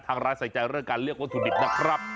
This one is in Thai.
ทางร้านใส่ใจเรื่องการเรียบรถุดิบนะครับ